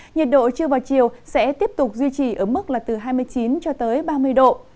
nhiệt độ chưa vào chiều sẽ tiếp tục duy trì ở mức là từ hai mươi chín ba mươi độ